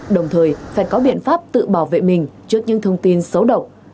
đồng thời phải có biện pháp tự bảo vệ mình trước những thông tin xấu độc